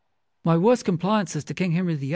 My worst complaisances to King Henry VIII.